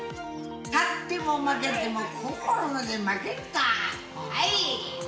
勝っても負けても心は負けるな。